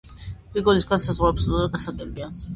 გრიგოლის განზრახვა აბსოლუტურად გასაგებია.